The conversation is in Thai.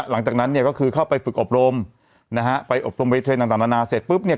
หลังจากนั้นเนี่ยก็คือเข้าไปฝึกอบรมนะฮะไปอบรมไปเทรนดต่างนานาเสร็จปุ๊บเนี่ย